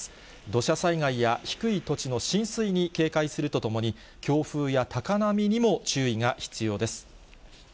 土砂災害や低い土地の浸水に警戒するとともに、強風や高波にも注意が必要です。